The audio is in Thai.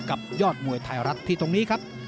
ยอดมวยไทยรัฐที่ตรงนี้ครับ